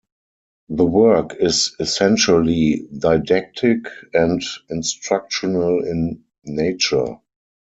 The work is essentially didactic and instructional in nature.